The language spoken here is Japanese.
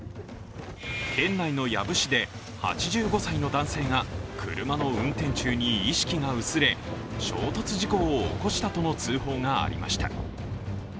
県内の養父市で８５歳の男性が車の運転中に意識が薄れ、衝突事故を起こしたとの通報がありました。